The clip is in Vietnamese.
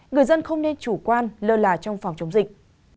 người dân không nên chủ quan lơ là trong phòng chống dịch